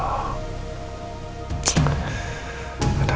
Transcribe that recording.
kenapa harus begini terus sih